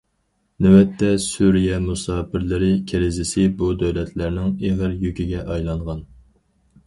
نۆۋەتتە، سۈرىيە مۇساپىرلىرى كىرىزىسى بۇ دۆلەتلەرنىڭ ئېغىر يۈكىگە ئايلانغان.